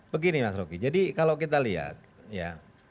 begini mas roky jadi kalau kita lihat ya